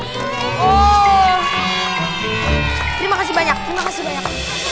terima kasih banyak terima kasih banyak